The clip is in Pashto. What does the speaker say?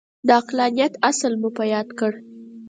د عقلانیت اصل مو یاد کړ.